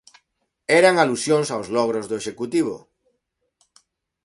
Eran alusións aos logros do Executivo.